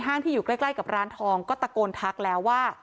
ที่อยู่ใกล้กับร้านทองก็ตะโกนทักแล้วว่า